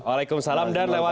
waalaikumsalam dan lewat